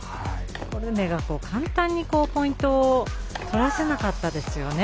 コルネが簡単にポイントを取らせなかったんですよね